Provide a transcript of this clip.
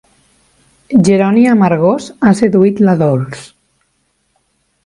Jeroni Amargós ha seduït la Dols.